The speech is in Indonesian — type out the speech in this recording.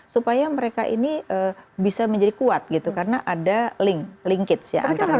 supaya mereka ini bisa menjadi kuat gitu karena ada link linkage ya antara mereka